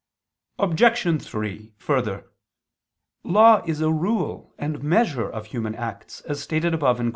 Obj. 3: Further, law is a rule and measure of human acts, as stated above (Q.